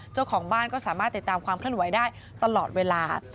เจ้าของบ้านก็สามารถติดตามความเคลื่อนไหวได้ตลอดเวลา